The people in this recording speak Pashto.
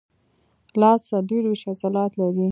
لاس څلورویشت عضلات لري.